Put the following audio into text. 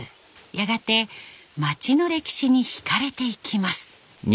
やがて町の歴史にひかれていきます。